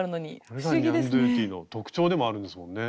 これがニャンドゥティの特徴でもあるんですもんね。